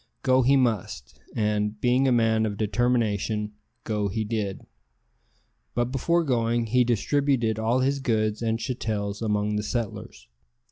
Go he must, and, being a man of determination, go he did; but before going he distributed all his goods and chattels among the settlers.